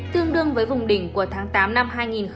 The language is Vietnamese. tương đương với vùng đỉnh của tháng tám năm hai nghìn hai mươi